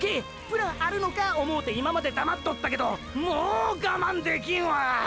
プランあるのか思うて今まで黙っとったけどもうガマンできんわ！